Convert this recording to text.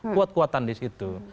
kuat kuatan di situ